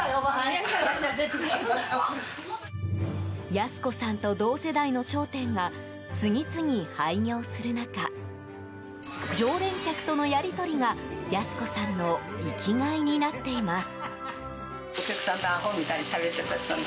安子さんと同世代の商店が次々廃業する中常連客とのやり取りが安子さんの生きがいになっています。